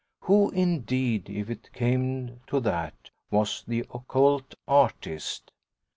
Who indeed if it came to that was the occult artist?